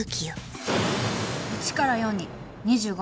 １から４に２５枚ずつ。